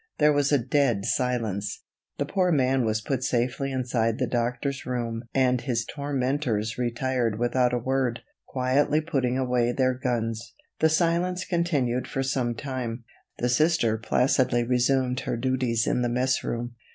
There was a dead silence. The poor man was put safely inside the doctor's room and his tormentors retired without a word, quietly putting away their guns. The silence continued for some time. The Sister placidly resumed her duties in the mess room.